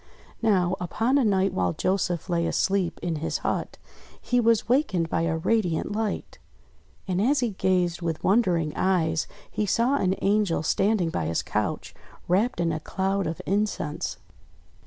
Now, upon a night while Joseph lay asleep in his hut, he was wakened by a radiant light. And as he gazed with wondering eyes he saw an Angel standing by his couch, wrapped in a cloud of incense.